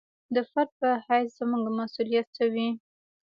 د فرد په حیث زموږ مسوولیت څه وي.